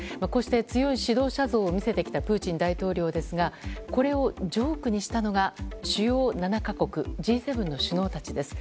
強い指導者像を見せてきたプーチン大統領ですがこれをジョークにしたのが主要７か国・Ｇ７の首脳たちです。